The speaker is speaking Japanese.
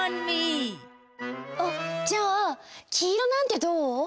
あじゃあきいろなんてどう？